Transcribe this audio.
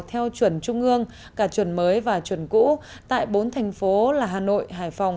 theo chuẩn trung ương cả chuẩn mới và chuẩn cũ tại bốn thành phố là hà nội hải phòng